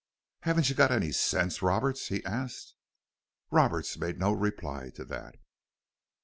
"Haven't you got any sense, Roberts?" he asked. Roberts made no reply to that.